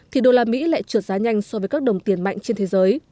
thì usd lại trượt giá nhanh so với các đồng tiền mạnh trên thế giới